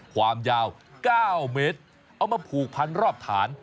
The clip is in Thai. ความยาว๙เมตรเอามาผูกพันรอบฐาน